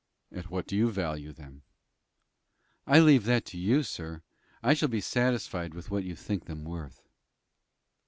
"At what do you value them?" "I leave that to you, sir. I shall be satisfied with what you think them worth."